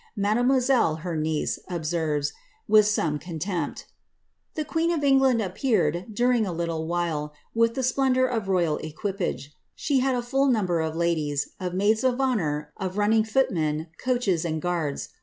Mademoiselle, her niece, observes, with some contempt :" The queen of England ap peared, during a litde while, with the splendour of royal equipage ; she had a full number of ladies, of maid^ of honour, of running footmen, coaches, and guards.